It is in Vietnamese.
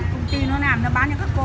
công ty nó làm nó bán như các cô đây